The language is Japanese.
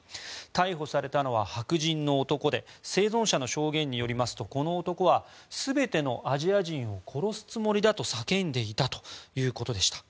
逮捕されたのは白人の男で生存者の証言によりますとこの男は全てのアジア人を殺すつもりだと叫んでいたということでした。